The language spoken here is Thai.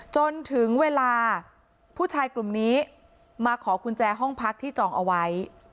จนถึงเวลาผู้ชายกลุ่มนี้มาขอกุญแจห้องพักที่จองเอาไว้